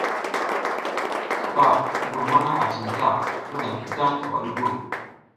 Ki ɓa mbur mana a cinta, hirƞga ngidang kaɓa ɗugur.